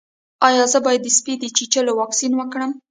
ایا زه باید د سپي د چیچلو واکسین وکړم؟